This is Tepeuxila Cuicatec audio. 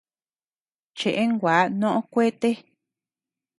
Cheʼe gua noʼo kuete.